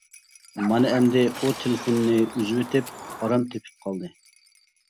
مانا ئەمدى ئۇ تېلېفوننى ئۈزۈۋېتىپ ئارام تېپىپ قالدى.